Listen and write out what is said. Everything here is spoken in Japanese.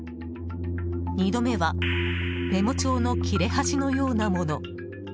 ２度目はメモ帳の切れ端のようなもの。